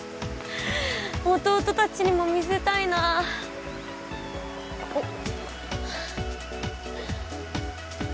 弟たちにも見せたいなおっ